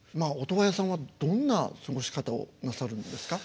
音羽屋さんはどんな過ごし方をなさるんですか？